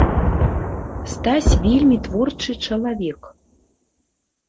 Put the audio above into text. Стась вельмі творчы чалавек.